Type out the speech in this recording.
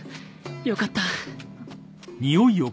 よかった。